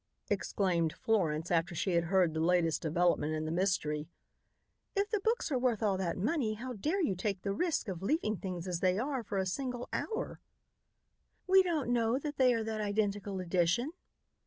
exclaimed Florence after she had heard the latest development in the mystery. "If the books are worth all that money, how dare you take the risk of leaving things as they are for a single hour?" "We don't know that they are that identical edition."